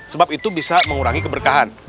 sebab itu bisa mengurangi keberkahan